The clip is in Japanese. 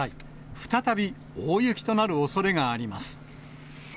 再び大雪となるおそれがあります。